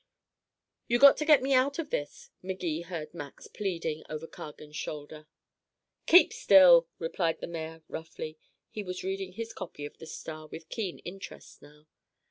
"You got to get me out of this," Magee heard Max pleading over Cargan's shoulder. "Keep still!" replied the mayor roughly. He was reading his copy of the Star with keen interest now.